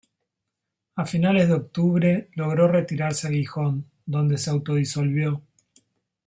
A finales de octubre logró retirarse a Gijón, donde se autodisolvió.